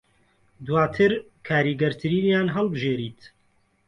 دوواتر کاریگەرترینیان هەڵبژێریت